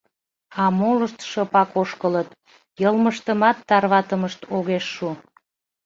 А молышт шыпак ошкылыт, йылмыштымат тарватымышт огеш шу.